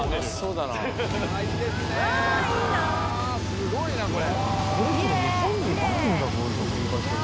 すごいなこれ。